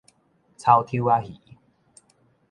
草丑仔魚